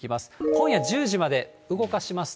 今夜１０時まで動かしますと。